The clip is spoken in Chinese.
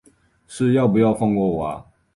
是要不要放过我啊